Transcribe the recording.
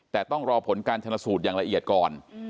แต่ต้องรอผลการชนะสูตรอย่างละเอียดก่อน